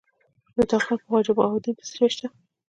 د تخار په خواجه بهاوالدین کې څه شی شته؟